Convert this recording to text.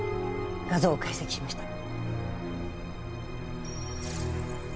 画像を解析しました。